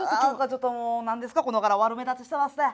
ちょっと何ですかこの柄悪目立ちしてますね。